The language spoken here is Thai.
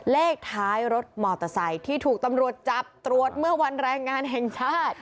เลขท้ายรถมอเตอร์ไซค์ที่ถูกตำรวจจับตรวจเมื่อวันแรงงานแห่งชาติ